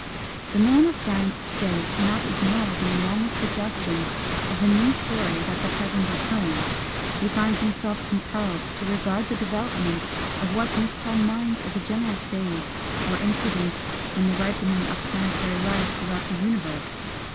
The man of science to day cannot ignore the enormous suggestions of the new story that the heavens are telling. He finds himself compelled to regard the development of what we call mind as a general phase or incident in the ripening of planetary life throughout the universe.